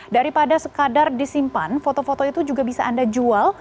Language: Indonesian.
daripada sekadar disimpan foto foto itu juga bisa anda jual